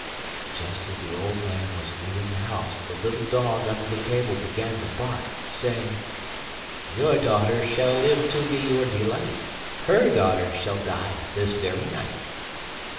Just as the old man was leaving the house the little dog under the table began to bark, saying: 'YOUR daughter shall live to be your delight; HER daughter shall die this very night.